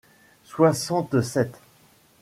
soixante-sept